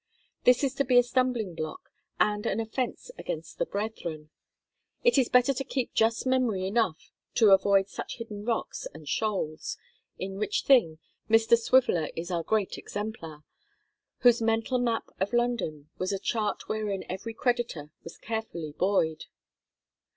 This is to be a stumbling block and an offence against the brethren. It is better to keep just memory enough to avoid such hidden rocks and shoals; in which thing Mr Swiveller is our great exemplar, whose mental map of London was a chart wherein every creditor was carefully "buoyed."